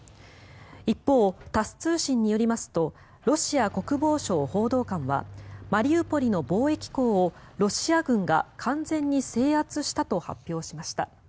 一方、タス通信によりますとロシア国防省報道官はマリウポリの貿易港をロシア軍が完全に制圧したと発表しました。